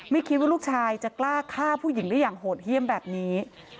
ไม่คิดว่าลูกชายจะกล้าฆ่าผู้หญิงได้อย่างโหดเยี่ยมแบบนี้